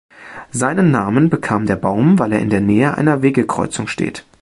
Seinen Namen bekam der Baum, weil er in der Nähe einer Wegekreuzung steht.